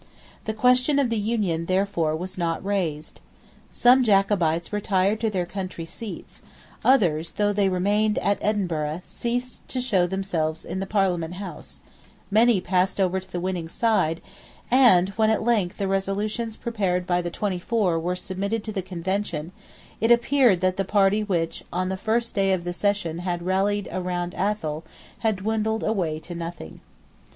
The question of the union therefore was not raised, Some Jacobites retired to their country seats: others, though they remained at Edinburgh, ceased to show themselves in the Parliament House: many passed over to the winning side; and, when at length the resolutions prepared by the Twenty Four were submitted to the Convention, it appeared that the party which on the first day of the session had rallied round Athol had dwindled away to nothing.